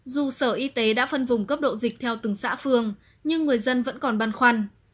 dù sở y tế đã phân vùng cấp độ dịch theo từng xã phường nhưng người dân vẫn còn băn khoăn